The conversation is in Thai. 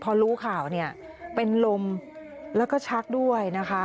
พอรู้ข่าวเนี่ยเป็นลมแล้วก็ชักด้วยนะคะ